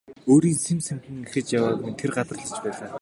Өөрийг нь сэм сэмхэн ажиж явааг минь тэр гадарлаж байлаа.